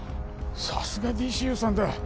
さすがＤＣＵさんだ